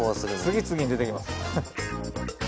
次々に出てきます。